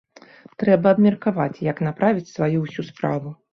Трэба абмеркаваць, як направіць сваю ўсю справу.